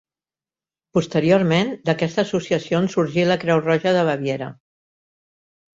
Posteriorment, d'aquesta associació en sorgí la Creu roja de Baviera.